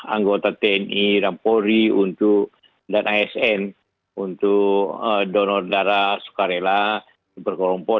anggota tni dan polri untuk dan asn untuk donor darah sukarela berkelompok